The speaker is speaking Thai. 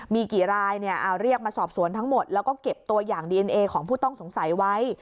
มีกี่รายเรียกมาสอบสวนทั้งหมดแล้วก็เก็บตัวอย่างดีเอนเอของผู้ต้องสงสัยไว้